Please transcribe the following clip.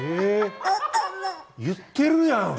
言ってるやん！